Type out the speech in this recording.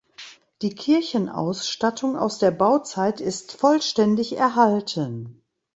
Die Kirchenausstattung aus der Bauzeit ist vollständig erhalten.